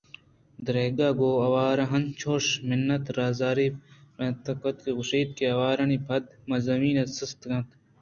دراہگءَ گوں آوان انچوش منّتءُ زاریءُ پریات کُت کہ گُشئے آوانی پاد چہ زمینءَ سستگ اَنت